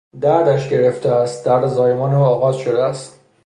دردش گرفته است، درد زایمان او آغاز شده است.